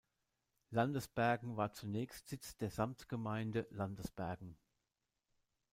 Landesbergen war zunächst Sitz der Samtgemeinde Landesbergen.